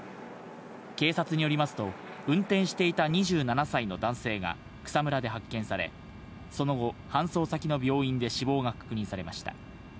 警察によりますと、運転していた２７歳の男性が草むらで発見され、その後、搬送先の病院で死亡が確認されました。